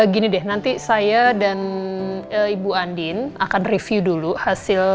gini deh nanti saya dan ibu andin akan review dulu hasil